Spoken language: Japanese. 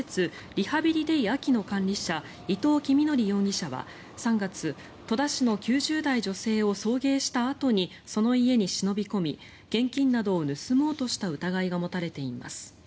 リハビリデイ秋の管理者伊藤己実範容疑者は３月戸田市の９０代女性を送迎したあとにその家に忍び込み現金などを盗もうとした疑いが持たれています。